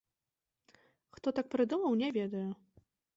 Хто так прыдумаў, не ведаю.